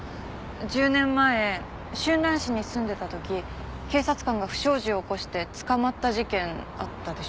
１０年前春蘭市に住んでた時警察官が不祥事を起こして捕まった事件あったでしょ？